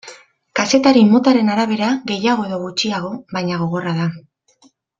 Kazetari motaren arabera gehiago edo gutxiago, baina, gogorra da.